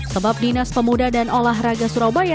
sebab dinas pemuda dan olahraga surabaya